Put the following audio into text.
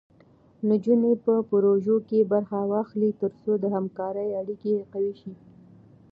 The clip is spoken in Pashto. نجونې په پروژو کې برخه واخلي، تر څو د همکارۍ اړیکې قوي شي.